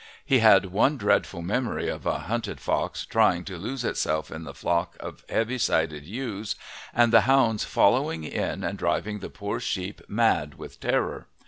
He had one dreadful memory of a hunted fox trying to lose itself in his flock of heavy sided ewes and the hounds following it and driving the poor sheep mad with terror.